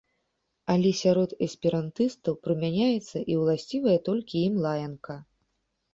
Але сярод эсперантыстаў прымяняецца і уласцівая толькі ім лаянка.